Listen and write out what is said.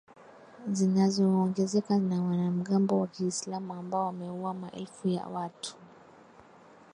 zinazoongezeka za wanamgambo wa kiislam ambao wameua maelfu ya watu